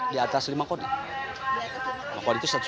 di atas lima kode lima kode itu seratus pasang